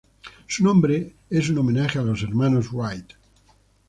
Su nombre es un homenaje a los Hermanos Wright.